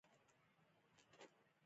د ډيپلومات بايد نړېوالې ژبې زده وي.